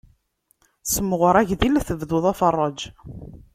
Semɣer agdil, tebduḍ aferrej.